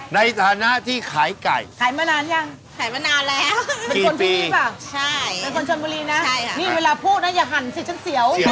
ในฐานะที่ไข่ไก่ผอยมานานหรือยัง